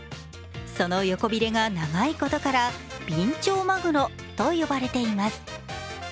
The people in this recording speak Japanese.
その横びれが長いことからビンチョウマグロと呼ばれています。